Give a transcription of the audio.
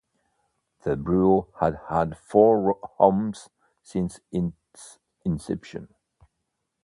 The Bureau has had four homes since its inception.